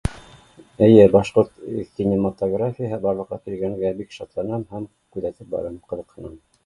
Эйе башҡорт кинематографияһы барлыҡҡа килгәнгә бик шатланап һәм күҙәтеп барам, ҡыҙыҡһынам